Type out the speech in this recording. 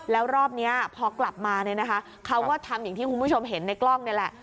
แล้วรอบนี้พอกลับมาเนี่ยนะคะเขาก็ทำอย่างที่คุณผู้ชมเห็นในกล้องนี่แหละ